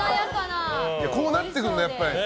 こうなってくるんだ、やっぱり。